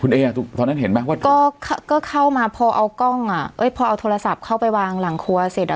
เอตอนนั้นเห็นไหมว่าก็ก็เข้ามาพอเอากล้องอ่ะเอ้ยพอเอาโทรศัพท์เข้าไปวางหลังครัวเสร็จอ่ะ